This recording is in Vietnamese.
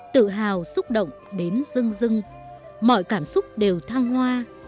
tự hào xúc động đến rưng rưng mọi cảm xúc đều thăng hoa